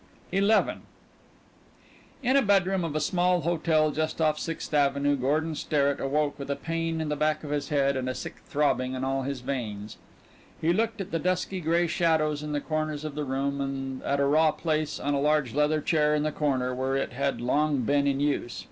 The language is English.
XI In a bedroom of a small hotel just off Sixth Avenue Gordon Sterrett awoke with a pain in the back of his head and a sick throbbing in all his veins. He looked at the dusky gray shadows in the corners of the room and at a raw place on a large leather chair in the corner where it had long been in use.